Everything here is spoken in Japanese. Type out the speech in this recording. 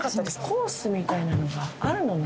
コースみたいなのがあるのね。